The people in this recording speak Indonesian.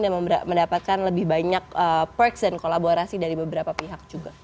dan mendapatkan lebih banyak perks dan kolaborasi dari beberapa pihak juga